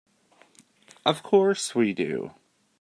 Of course we do.